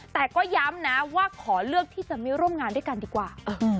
แต่ก็ย้ำนะว่าขอเลือกที่จะไม่ร่วมงานด้วยกันดีกว่า